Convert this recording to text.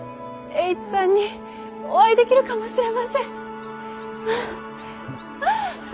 栄一さんにお会いできるかもしれません。